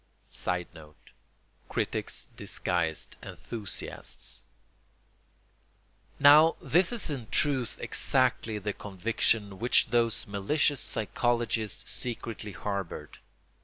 [Sidenote: Critics disguised enthusiasts.] Now this is in truth exactly the conviction which those malicious psychologists secretly harboured.